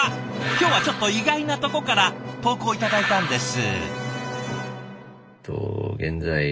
今日はちょっと意外なとこから投稿頂いたんです。